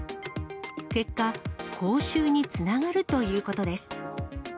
結果、口臭につながるということです。